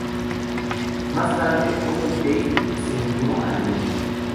Más tarde, Owen Teague se unió al elenco.